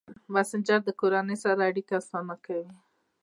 مسېنجر د کورنۍ سره اړیکه اسانه کوي.